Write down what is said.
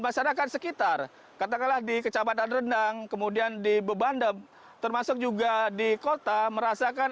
masyarakat sekitar katakanlah di kecamatan rendang kemudian di bebandem termasuk juga di kota merasakan